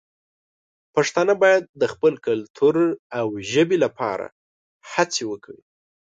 پښتانه باید د خپل کلتور او ژبې لپاره هڅې وکړي.